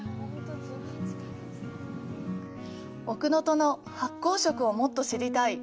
奥能登の発酵食をもっと知りたい。